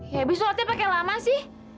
ya abis sholatnya pake lama sih